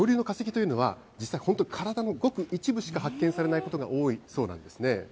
ただ恐竜の化石というのは、実際、本当、体のごく一部しか発見されないことが多いそうなんですね。